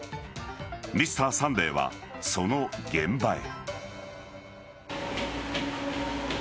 「Ｍｒ．サンデー」はその現場へ。